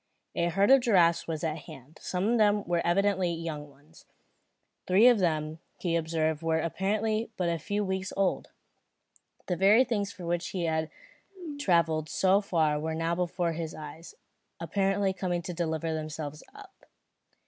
A herd of giraffes was at hand. Some of them were evidently young ones. Three of them he observed were apparently but a few weeks old. The very things for which he had travelled so far were now before his eyes, apparently coming to deliver themselves up.